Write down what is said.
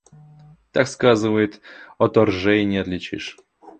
Так сказывает, ото ржей не отличишь.